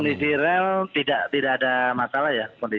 kondisi rel tidak ada masalah ya